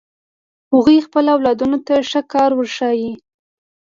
هغوی خپل اولادونو ته ښه لار ورښایی